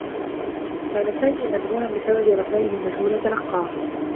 كان سامي مذعورا بسبب رسائل مجهولة تلقّاها.